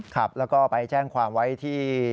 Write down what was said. ครับแล้วก็ไปแจ้งความไว้ที่